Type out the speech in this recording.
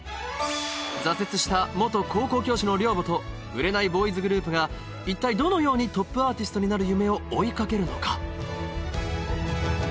挫折した元高校教師の寮母と売れないボーイズグループが一体どのようにトップアーティストになる夢を追いかけるのか？